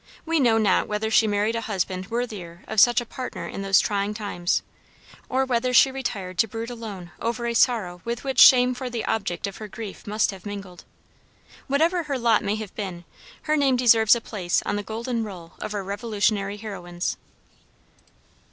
We know not whether she married a husband worthier of such a partner in those trying times, or whether she retired to brood alone over a sorrow with which shame for the object of her grief must have mingled. Whatever her lot may have been, her name deserves a place on the golden roll of our revolutionary heroines.